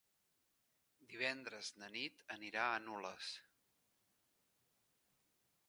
Divendres na Nit anirà a Nules.